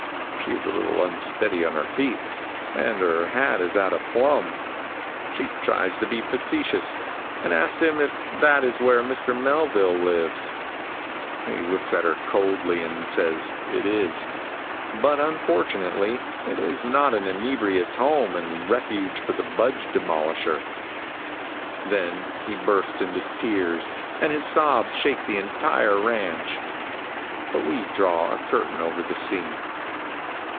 She is a little unsteady on her feet, and her hat is out of plumb. She tries to be facetious, and asks him if that is where Mr. Melville lives. He looks at her coldly and says it is, but unfortunately it is not an inebriate's home and refuge for the budge demolisher. Then he bursts into tears, and his sobs shake the entire ranch. But we draw a curtain over the scene.